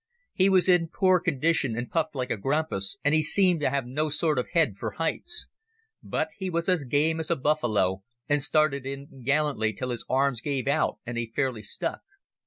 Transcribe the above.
He was in poor condition and puffed like a grampus, and he seemed to have no sort of head for heights. But he was as game as a buffalo, and started in gallantly till his arms gave out and he fairly stuck.